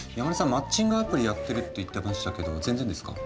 マッチングアプリやってるって言ってましたけど全然ですか？